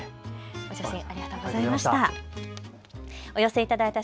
お写真ありがとうございました。